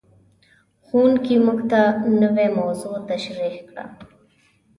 ښوونکی موږ ته نوې موضوع تشریح کړه.